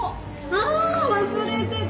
ああ忘れてた！